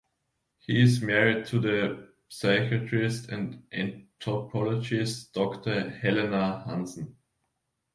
He is married to the psychiatrist and anthropologist, Doctor Helena Hansen.